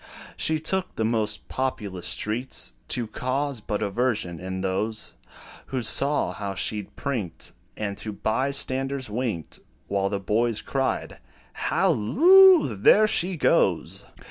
She took the most populous streets, To cause but aversion in those, Who saw how she 'd prinked, And to bystanders winked, While the boys cried, "Halloo! there she goes!"